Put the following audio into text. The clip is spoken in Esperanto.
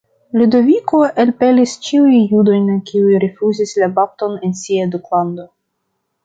Ludoviko elpelis ĉiuj judojn kiuj rifuzis la bapton en sia duklando.